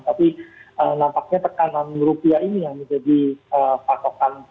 tapi nampaknya tekanan rupiah ini yang menjadi pasokan